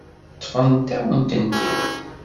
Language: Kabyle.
Ṭṭfent-awen-tent-id.